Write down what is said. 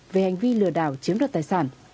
về hành vi lừa đảo chiếm được tài sản